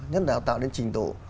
nhất là học tạo đến trình độ